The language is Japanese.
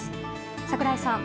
櫻井さん。